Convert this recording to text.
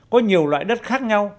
có nhiều loại đất khác nhau